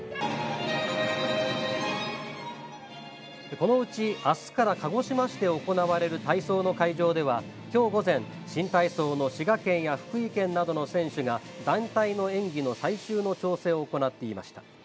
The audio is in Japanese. このうちあすから鹿児島市で行われる体操の会場ではきょう午前新体操の滋賀県や福井県などの選手が団体の演技の最終の調整を行っていました。